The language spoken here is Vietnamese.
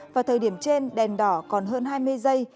vào thời điểm trên đèn đỏ còn hơn hai mươi giây